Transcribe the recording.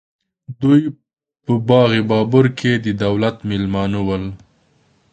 دوی په باغ بابر کې د دولت مېلمانه ول.